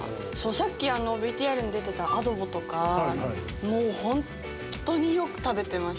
さっきＶＴＲに出てたアドボとかもう本当に。